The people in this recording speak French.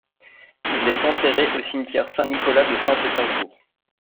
Il est enterré au cimetière Saint-Nicolas de Saint-Pétersbourg.